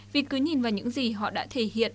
vì cứ nhìn vào những gì họ đã thể hiện